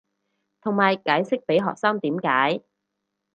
同埋解釋被學生點解